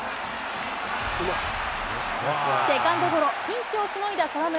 セカンドゴロ、ピンチをしのいだ澤村。